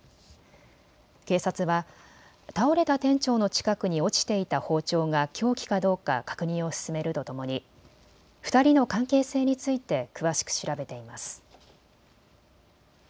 警察は倒れた店長の近くに落ちていた包丁が凶器かどうか確認を進めるとともに２人の関係性について詳しく調べています。